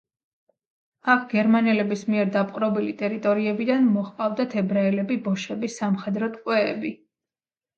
აქ გერმანელების მიერ დაპყრობილი ტერიტორიებიდან მოჰყავდათ ებრაელები, ბოშები, სამხედრო ტყვეები.